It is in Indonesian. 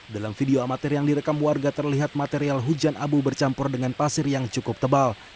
dalam video amatir yang direkam warga terlihat material hujan abu bercampur dengan pasir yang cukup tebal